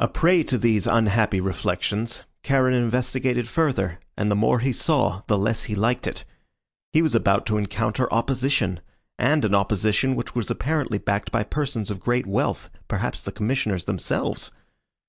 A prey to these unhappy reflections, Charon investigated further, and the more he saw the less he liked it. He was about to encounter opposition, and an opposition which was apparently backed by persons of great wealth perhaps the Commissioners themselves.